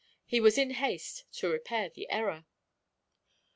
He was in haste to repair the error.